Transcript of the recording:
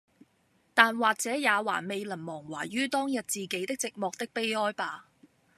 但或者也還未能忘懷于當日自己的寂寞的悲哀罷，